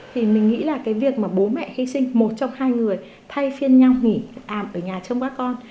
thì mình nghĩ là cái việc mà bố mẹ hy sinh một trong hai người thay phiên nhau nghỉ àm ở nhà trong các con